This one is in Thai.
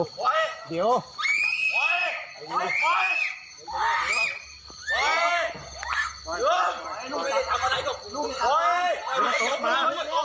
จุดโทษมา